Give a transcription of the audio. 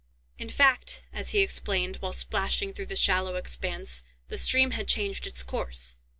In fact, as he explained, while splashing through the shallow expanse, the stream had changed its course.